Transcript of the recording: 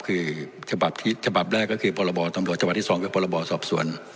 คือฉบับแรกก็คือประบอตำรวจฉบับที่สองก็คือประบอตสอบสวน